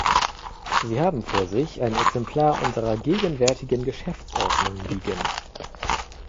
Sie haben vor sich ein Exemplar unserer gegenwärtigen Geschäftsordnung liegen.